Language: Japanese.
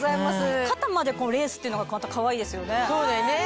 肩までレースっていうのがまたかわいいですよね。